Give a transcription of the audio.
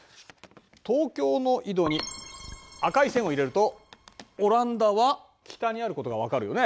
東京の緯度に赤い線を入れるとオランダは北にあることが分かるよね。